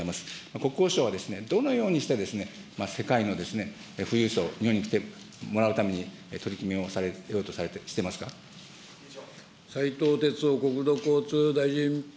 国交省はどのようにして、世界の富裕層、日本に来てもらうために取り組みをされようとされていま斉藤鉄夫国土交通大臣。